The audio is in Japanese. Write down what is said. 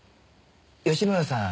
吉村さん